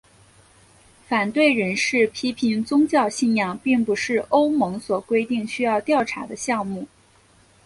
反对人士批评宗教信仰并不是欧盟所规定需要调查的项目。